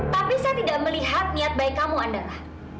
tapi saya tidak melihat niat baik kamu adalah